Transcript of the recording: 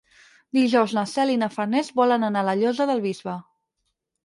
Dijous na Cel i na Farners volen anar a la Llosa del Bisbe.